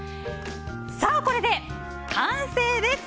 さあこれで、完成です！